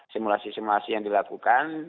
simulasi simulasi yang dilakukan